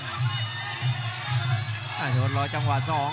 รัฐพลรอจังหวะสอง